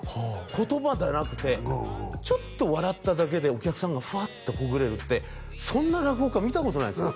言葉じゃなくてちょっと笑っただけでお客さんがフワッとほぐれるってそんな落語家見たことないですよ